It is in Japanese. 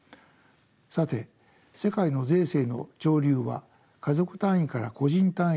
さて世界の税制の潮流は家族単位から個人単位に移っています。